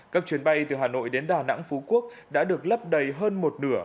các chuyến bay từ hà nội đến đà nẵng phú quốc đã được lấp đầy hơn một nửa